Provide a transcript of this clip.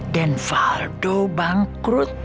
dan faldo bangkrut